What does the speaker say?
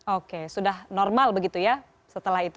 oke sudah normal begitu ya setelah itu